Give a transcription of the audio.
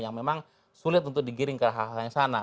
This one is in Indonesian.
yang memang sulit untuk digiring ke hal hal yang sana